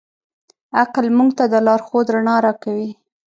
عقل موږ ته د لارښود رڼا راکوي.